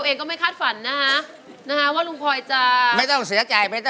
นะฮะว่าลุงพอยจ๋าไม่ต้องเสียใจ